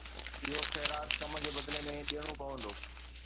اهو خيرات ڪم جي بدلي ۾ ڏيڻو پوندو.